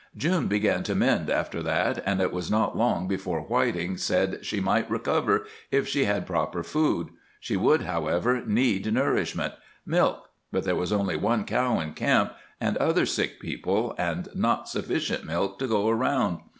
June began to mend after that, and it was not long before Whiting said she might recover if she had proper food. She would, however, need nourishment milk; but there was only one cow in camp, and other sick people, and not sufficient milk to go round.